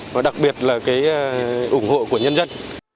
và đặc biệt là cái ủng hộ của nhân dân